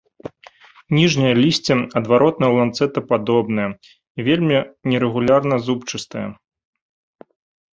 Ніжняе лісце адваротна-ланцэтападобнае, вельмі нерэгулярна зубчастае.